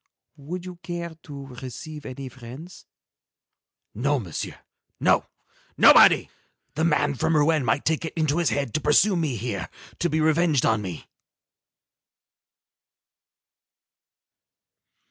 "Would you care to receive any friends?" "No, Monsieur, no, nobody. The man from Rouen might take it into his head to pursue me here, to be revenged on me."